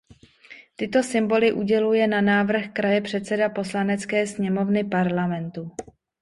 Tyto symboly uděluje na návrh kraje předseda Poslanecké sněmovny parlamentu.